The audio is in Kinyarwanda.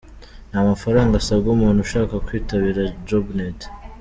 Nta mafaranga asabwa umuntu ushaka kwitabira Jobnet.